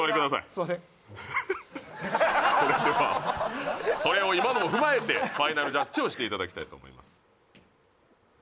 すいませんそれではそれを今のを踏まえてファイナルジャッジをしていただきたいと思います